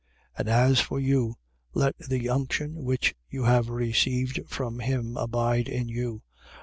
2:27. And as for you, let the unction, which you have received from him abide in you.